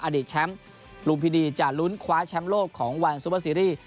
อดีตแชมป์ลุมพินีจะลุ้นคว้าแชมป์โลกของวันซูเปอร์ซีรีส์